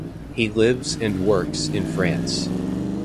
He has lives and works in France.